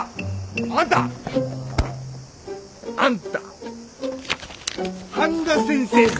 あんた！あんた半田先生じゃん！